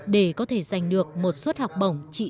để có thể giành được một suất học bổng trị giá lớn